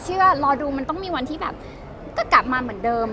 ว่ารอดูมันต้องมีวันที่แบบก็กลับมาเหมือนเดิม